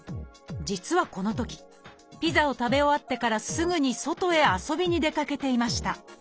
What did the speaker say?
実はこのときピザを食べ終わってからすぐに外へ遊びに出かけていました。